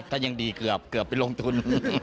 ถ้ายังดีเกือบไปลงทุน